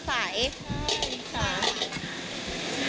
ใช่ค่ะ